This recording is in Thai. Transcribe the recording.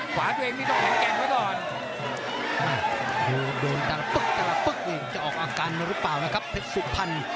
ขวาตัวเองนี่ต้องแข็งแกร่งไว้ก่อน